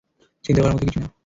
চিন্তা করার মতো কিছু না।